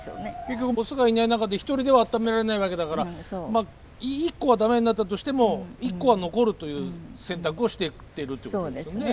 結局オスがいない中で一人では温められないわけだからまあ１個はダメになったとしても１個は残るという選択をしてるってことですね。